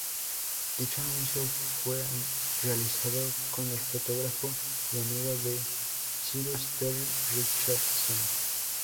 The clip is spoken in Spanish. Dicho anuncio fue realizado con el fotógrafo y amigo de Cyrus, Terry Richardson.